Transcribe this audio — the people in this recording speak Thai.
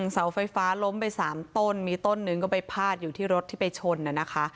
สาวไฟฟ้าล้มไป๓ต้นมีต้น๑ก็ไปพาดอยู่ที่รถที่ไปชนนะคะ